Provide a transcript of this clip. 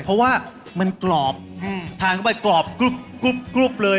เพราะว่ามันกรอบทานเข้าไปกรอบกรุ๊ปเลย